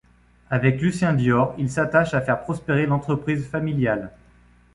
Avec Lucien Dior, il s’attache à faire prospérer l’entreprise familiale.